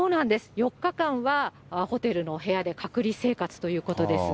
４日間はホテルの部屋で隔離生活ということです。